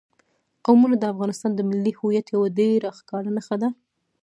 قومونه د افغانستان د ملي هویت یوه ډېره ښکاره نښه ده.